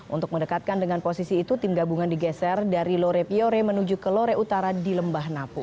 untuk mendekatkan dengan posisi itu tim gabungan digeser dari lorepiore menuju ke lore utara di lembah napu